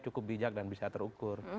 cukup bijak dan bisa terukur